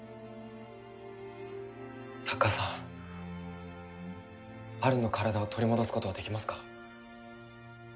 タッカーさんアルの体を取り戻すことはできますか？